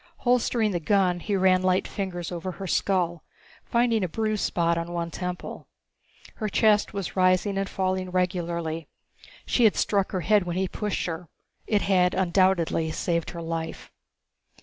Holstering the gun, he ran light fingers over her skull, finding a bruised spot on one temple. Her chest was rising and falling regularly. She had struck her head when he pushed her. It had undoubtedly saved her life.